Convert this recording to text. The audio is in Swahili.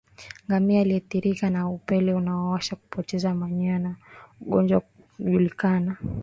Ngamia aliyeathirika na upele unaowasha hupoteza manyoya na ngozi kujikunjakunja